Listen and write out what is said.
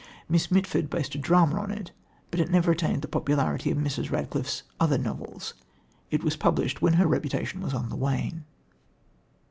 Miss Mitford based a drama on it, but it never attained the popularity of Mrs. Radcliffe's other novels. It was published when her reputation was on the wane.